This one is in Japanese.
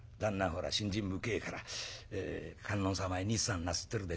ほら信心深えから観音様へ日参なすってるでしょ。